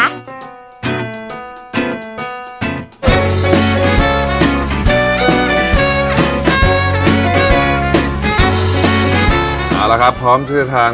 พร้อมที่ทางก๋วยเตี๋ยวนึง